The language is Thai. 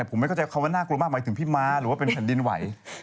ผมไม่เข้าใจคำว่าน่ากลัวมากหมายถึงพี่ม้าหรือว่าเป็นแผ่นดินไหว